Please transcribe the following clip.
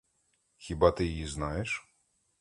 Хіба ти її знаєш?